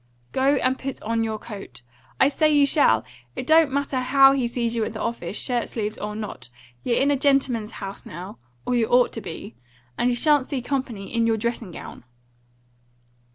"Go and put on your coat! I say you shall! It don't matter HOW he sees you at the office, shirt sleeves or not. You're in a gentleman's house now or you ought to be and you shan't see company in your dressing gown."